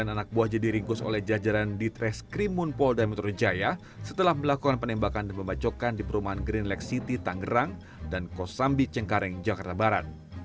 john k dan dua puluh sembilan anak buah jadi ringkus oleh jajaran di treskrimun polda metro jaya setelah melakukan penembakan dan pemacokan di perumahan green lake city tangerang dan kosambi cengkareng jakarta barat